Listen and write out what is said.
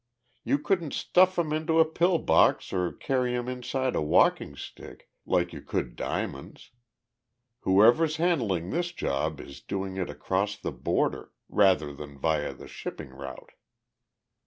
You couldn't stuff 'em into a pill box or carry 'em inside a walking stick, like you could diamonds. Whoever's handling this job is doing it across the border, rather than via the shipping route."